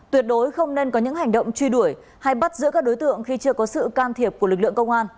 tuyệt đối không nên có những hành động truy đuổi hay bắt giữ các đối tượng khi chưa có sự can thiệp của lực lượng công an